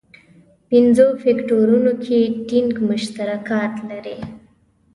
پنځو فکټورونو کې ټینګ مشترکات لري.